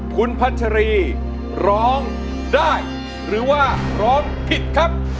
คุณพัชรีร้องได้หรือว่าร้องผิดครับ